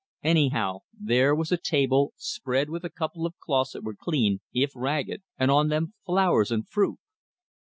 Anyhow, there was a table spread with a couple of cloths that were clean, if ragged, and on them flowers and fruit.